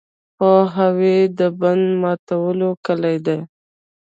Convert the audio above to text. پوهاوی د بند ماتولو کلي ده.